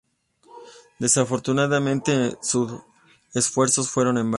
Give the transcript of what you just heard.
Desafortunadamente sus esfuerzos fueron en vano.